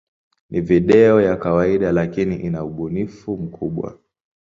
Ni video ya kawaida, lakini ina ubunifu mkubwa.